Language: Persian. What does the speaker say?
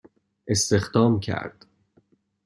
استخدام کرد